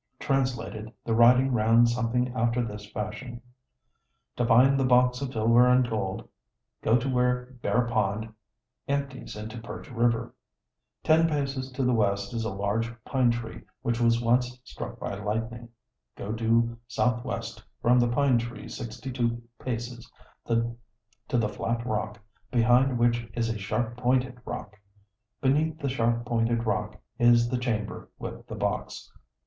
Translated, the writing ran somewhat after this fashion: "To find the box of silver and gold, go to where Bear Pond empties into Perch River. Ten paces to the west is a large pine tree, which was once struck by lightning. Go due southwest from the pine tree sixty two paces, to the flat rock, behind which is a sharp pointed rock. Beneath the sharp pointed rock is the chamber with the box.